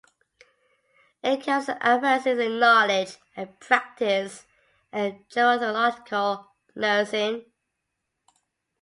It covers advances in knowledge and practice in gerontological nursing.